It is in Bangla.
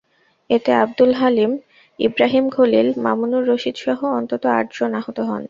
এতে আবদুল হালিম, ইব্রাহিম খলিল, মামুনুর রশীদসহ অন্তত আটজন আহত হন।